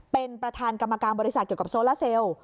เป็นประธานกรรมการบริษัทเกี่ยวกับโซลาเซล